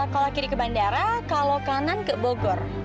kalau kiri ke bandara kalau kanan ke bogor